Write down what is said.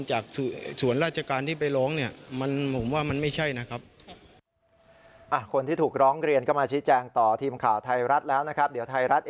จากส่วนราชการที่ไปร้องเนี่ย